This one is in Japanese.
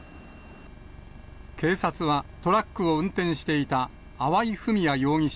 警察は、トラックを運転していた粟井文哉容疑者